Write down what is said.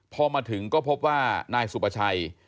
พอมาถึงก็พบว่านายสุประชัย